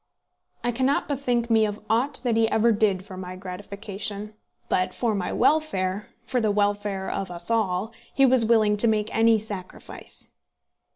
I cannot bethink me of aught that he ever did for my gratification; but for my welfare, for the welfare of us all, he was willing to make any sacrifice.